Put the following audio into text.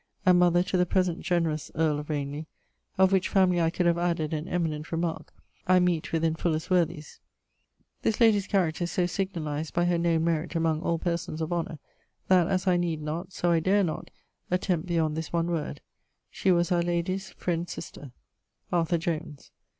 ], and mother to the present generous earle of Ranelaugh, of which family I could have added an eminent remark, I meet with in Fuller's "Worthies;" this lady's character is so signalized by her known merit among all persons of honour, that as I need not, so I dare not, attempt beyond this one word she was our lady's Friend Sister; [XXVI.] Jones.